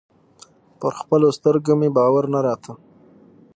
پر خپلو سترګو مې باور نه راته.